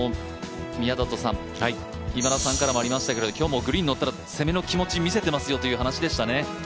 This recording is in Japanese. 宮里さん、今田さんからもありましたけど、今日もグリーンに乗ったら攻めの気持ち見せてますよという話でしたね。